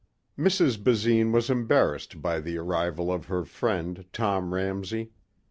8 Mrs. Basine was embarassed by the arrival of her friend Tom Ramsey.